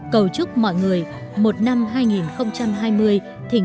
cầu chúc mọi người một năm hai nghìn hai mươi thịnh vượng hạnh phúc và thành công